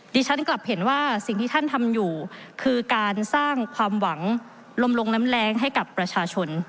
ฉันกลับเห็นว่าสิ่งที่ท่านทำอยู่คือการสร้างความหวังลมลงน้ำแรงให้กับประชาชน